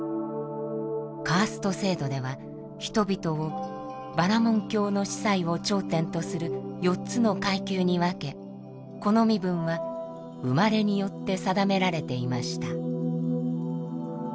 カースト制度では人々をバラモン教の司祭を頂点とする４つの階級に分けこの身分は生まれによって定められていました。